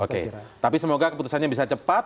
oke tapi semoga keputusannya bisa cepat